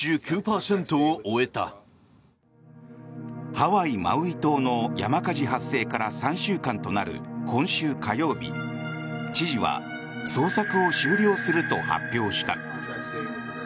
ハワイ・マウイ島の山火事発生から３週間となる今週火曜日、知事は捜索を終了すると発表した。